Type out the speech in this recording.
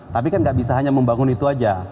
tapi kan nggak bisa hanya membangun itu saja